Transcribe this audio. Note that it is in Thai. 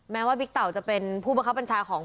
แม้ว่าบิ๊กเต่าจะเป็นผู้บังคับบัญชาของ